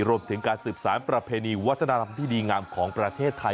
รวมถึงการสืบสารประเพณีวัฒนธรรมที่ดีงามของประเทศไทย